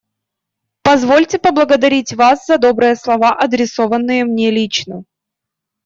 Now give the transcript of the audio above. Позвольте поблагодарить вас за добрые слова, адресованные мне лично.